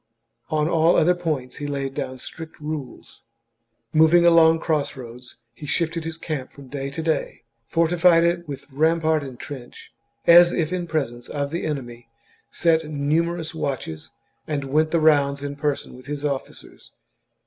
On all other points he laid down strict rules. Moving along cross roads, he shifted his camp from day to day, fortified it with rampart and trench, as if in presence of the enemy, set numerous watches, and went the rounds in person with his officers.